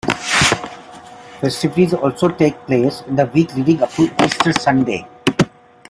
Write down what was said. Festivities also take place in the week leading up to Easter Sunday.